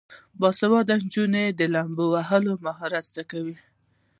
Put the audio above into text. باسواده نجونې د لامبو وهلو مهارت زده کوي.